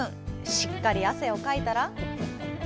しっかり汗をかいたら。